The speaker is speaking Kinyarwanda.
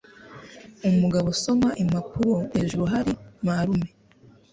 Umugabo usoma impapuro hejuru hari marume.